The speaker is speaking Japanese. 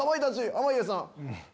濱家さん。